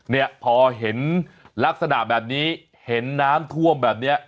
เนี่ยพอเห็นลักษณะแบบนี้เห็นน้ำท่วมแบบนี้